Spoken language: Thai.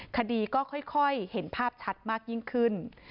คดีก็ค่อยเห็นภาพชัดมากยิ่งขึ้น